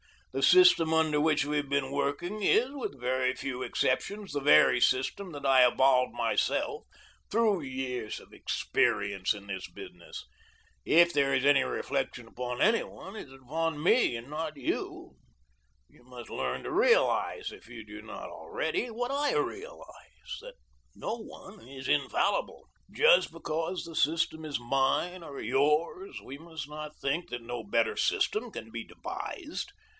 The system under which we have been working is, with very few exceptions, the very system that I evolved myself through years of experience in this business. If there is any reflection upon any one it is upon me and not you. You must learn to realize, if you do not already, what I realize that no one is infallible. Just because the system is mine or yours we must not think that no better system can be devised.